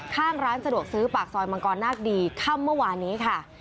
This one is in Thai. ข้างร้านสะดวกซื้อปากซอยมังกรนาคดีค่ำเมื่อวานนี้ค่ะ